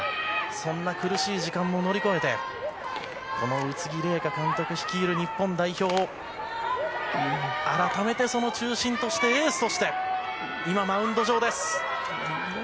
そんな苦しい時間も乗り越えて宇津木麗華監督率いる日本代表の改めて、その中心としてエースとして今、マウンド上です。